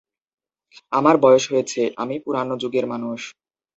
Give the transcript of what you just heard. আমার বয়স হয়েছে, আমি পুরানো যুগের মানুষ।